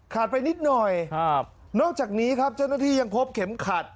ไปนิดหน่อยครับนอกจากนี้ครับเจ้าหน้าที่ยังพบเข็มขัด